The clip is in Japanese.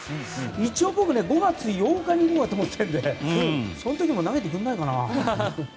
一応、僕は５月８日に見ようと思っているのでその時も投げてくれないかな？